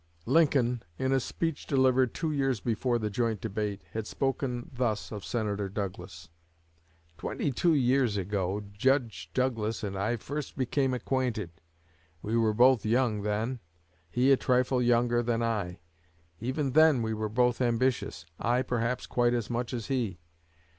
Lincoln, in a speech delivered two years before the joint debate, had spoken thus of Senator Douglas: "Twenty two years ago, Judge Douglas and I first became acquainted; we were both young then he a trifle younger than I. Even then, we were both ambitious I perhaps quite as much as he.